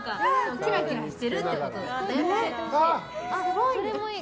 キラキラしてるってことだね。